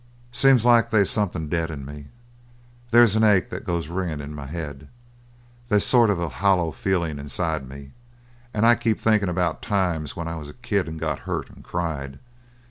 "Seems like they's something dead in me. They's an ache that goes ringin' in my head. They's a sort of hollow feelin' inside me. And I keep thinkin' about times when I was a kid and got hurt and cried."